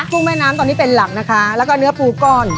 ุ้งแม่น้ำตอนนี้เป็นหลักนะคะแล้วก็เนื้อปูก้อน